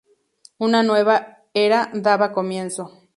Una nueva era daba comienzo.